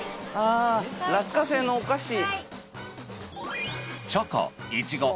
あ落花生のお菓子。